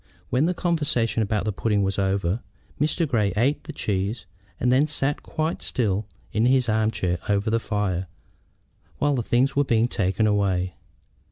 When the conversation about the pudding was over Mr. Grey ate his cheese, and then sat quite still in his arm chair over the fire while the things were being taken away.